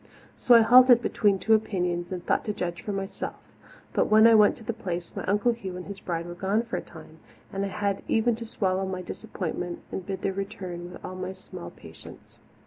So I halted between two opinions and thought to judge for myself, but when I went to the Place my Uncle Hugh and his bride were gone for a time, and I had even to swallow my disappointment and bide their return with all my small patience.